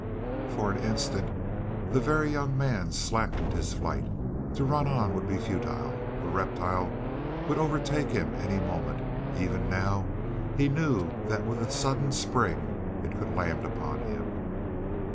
For an instant the Very Young Man slackened his flight. To run on would be futile. The reptile would overtake him any moment; even now he knew that with a sudden spring it could land upon him.